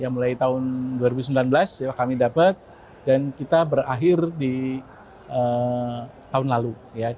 mulai tahun dua ribu sembilan belas kami dapat dan kita berakhir di tahun lalu